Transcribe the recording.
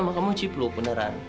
nama kamu cipluk beneran